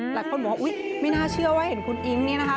หลายคนบอกว่าอุ๊ยไม่น่าเชื่อว่าเห็นคุณอิ๊งเนี่ยนะคะ